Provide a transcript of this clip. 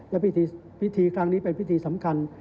และพิธีครั้งนี้เป็นพิธีสำคัญ